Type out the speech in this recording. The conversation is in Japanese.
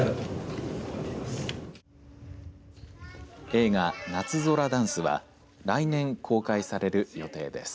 映画、夏空ダンスは来年、公開される予定です。